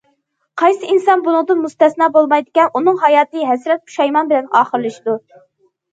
قايسى ئىنسان بۇنىڭدىن مۇستەسنا بولمايدىكەن، ئۇنىڭ ھاياتى ھەسرەت، پۇشايمان بىلەن ئاخىرلىشىدۇ.